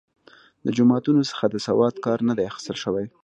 له جوماتونو څخه د سواد کار نه دی اخیستل شوی.